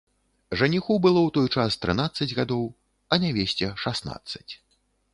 Жаніху было ў той час трынаццаць гадоў, а нявесце шаснаццаць.